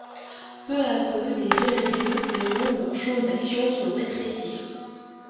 Peu à peu, les Donadieu verront leur champ d'action se rétrécir.